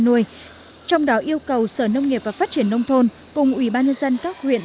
nuôi trong đó yêu cầu sở nông nghiệp và phát triển nông thôn cùng ủy ban nhân dân các huyện